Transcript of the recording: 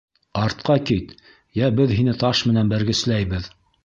— Артҡа кит, йә беҙ һине таш менән бәргесләйбеҙ.